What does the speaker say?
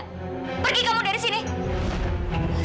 pergi kamu dari sini